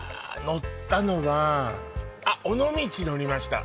乗ったのはあっ尾道乗りました